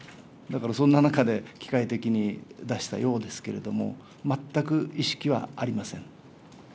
だからそんな中で機械的に出したようですけれども、全く意識はありません。